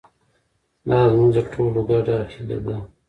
دا زموږ د ټولو ګډه هیله ده.